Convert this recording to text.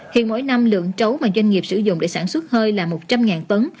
hiện mỗi năm lượng trấu mà doanh nghiệp sử dụng để sản xuất hơi là một trăm linh tấn